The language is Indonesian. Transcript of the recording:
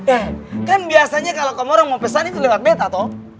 eh kan biasanya kalau kamu orang mau pesan itu lewat beta tuh